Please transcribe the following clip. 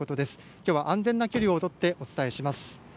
きょうは安全な距離を取ってお伝えします。